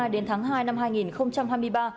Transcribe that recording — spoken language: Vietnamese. đến tháng hai năm hai nghìn hai mươi ba